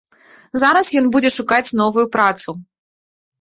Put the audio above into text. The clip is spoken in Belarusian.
Зараз ён будзе шукаць новую працу.